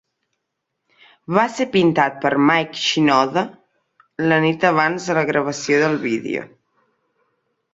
Va ser pintat per Mike Shinoda la nit abans de la gravació del vídeo.